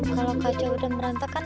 kalau kacau dan berantakan